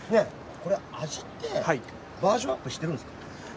これ、味ってバージョンアップしてるんですか。